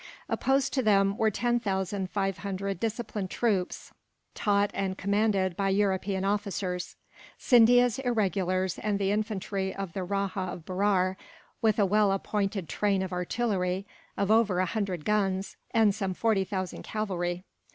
Opposed to them were ten thousand five hundred disciplined troops, taught and commanded by European officers; Scindia's irregulars, and the infantry of the Rajah of Berar; with a well appointed train of artillery, of over a hundred guns, and some forty thousand cavalry.